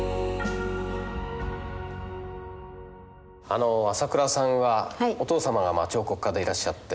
あの朝倉さんはお父様が彫刻家でいらっしゃって。